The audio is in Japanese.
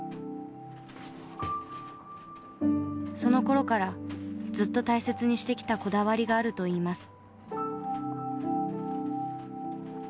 そのころからずっと大切にしてきたこだわりがあると言います。